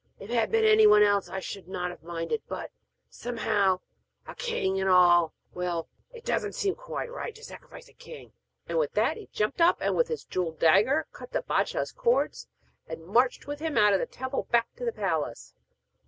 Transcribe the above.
If it had been anyone else I should not have minded; but, somehow a king and all well, it doesn't seem quite right to sacrifice a king.' And with that he jumped up and with his jewelled dagger cut the bâdshah's cords, and marched with him out of the temple back to the palace.